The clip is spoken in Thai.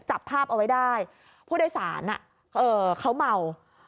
จับภาพเอาไว้ได้ผู้โดยสารเขาเมา